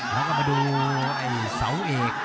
เราก็มาดูไอ้เสาเอก